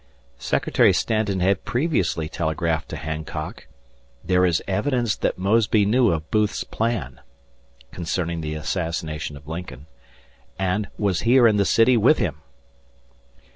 Secretary Stanton had previously telegraphed to Hancock, "There is evidence that Mosby knew of Booth's plan" concerning the assassination of Lincoln "and was here in the city with him."